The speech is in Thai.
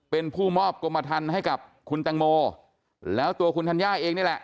เป็นผู้มอบกรมทันให้กับคุณแตงโมแล้วตัวคุณธัญญาเองนี่แหละ